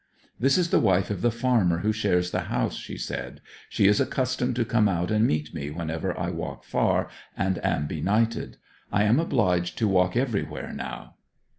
'This is the wife of the farmer who shares the house,' she said. 'She is accustomed to come out and meet me whenever I walk far and am benighted. I am obliged to walk everywhere now.'